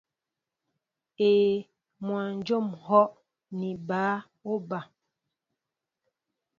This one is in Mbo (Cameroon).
Éē, mwajóm ŋ̀hɔ́ ni bǎ óba.